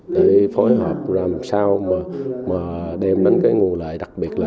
để phối hợp ra làm sao mà đem đến cái nguồn lợi đặc biệt là